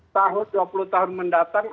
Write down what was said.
dua puluh tahun mendatang